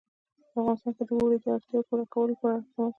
په افغانستان کې د اوړي د اړتیاوو پوره کولو لپاره اقدامات کېږي.